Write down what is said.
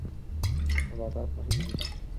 نباتات مهم دي.